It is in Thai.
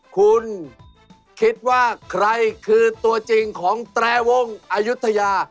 คุณคิดว่าใครคือตัวจริงของแตรวงอายุทยา